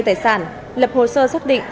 tài sản lập hồ sơ xác định